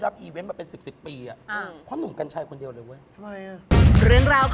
นั่งงี๒๐๒๔ก็จะเปลี่ยนแล้ว